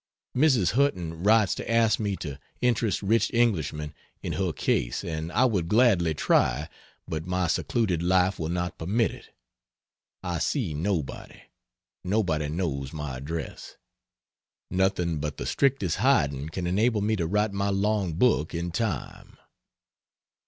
Mrs. Hutton writes to ask me to interest rich Englishmen in her case, and I would gladly try, but my secluded life will not permit it. I see nobody. Nobody knows my address. Nothing but the strictest hiding can enable me to write my long book in time.